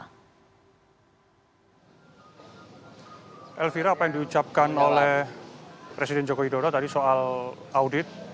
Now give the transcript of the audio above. elvira apa yang diucapkan oleh presiden joko widodo tadi soal audit